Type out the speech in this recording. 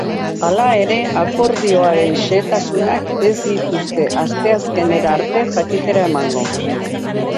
Hala ere, akordioaren xehetasunak ez dituzte asteazkenera arte jakitera emango.